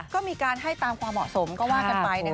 ก็มีการให้ตามความเหมาะสมก็ว่ากันไปนะคะ